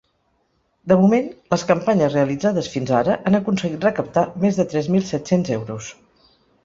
De moment, les campanyes realitzades fins ara han aconseguit recaptar més de tres mil set-cents euros.